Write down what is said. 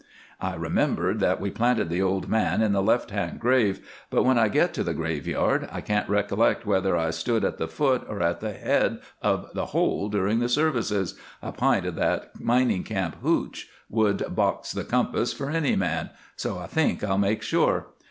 "I remembered that we planted the old man in the left hand grave, but when I get to the graveyard I can't recollect whether I stood at the foot or at the head of the hole during the services a pint of that mining camp hootch would box the compass for any man so I think I'll make sure.